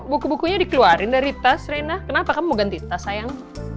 buku bukunya dikeluarin dari tas rena kenapa kamu ganti tas sayang